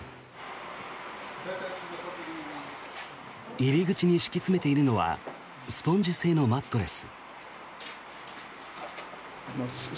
入り口に敷き詰めているのはスポンジ製のマットレス。